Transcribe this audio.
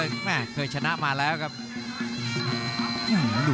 รับทราบบรรดาศักดิ์